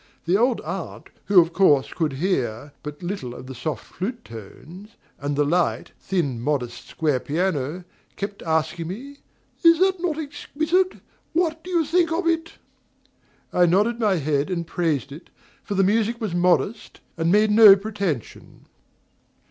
The old aunt, who, of course, could hear but little of the soft, flute tones, and the light, thin, modest, square piano, kept asking me: "Is not that exquisite? what do you think of it?" I nodded my head and praised it, for the music was modest and made no pretension.